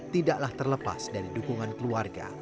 tidaklah terlepas dari dukungan keluarga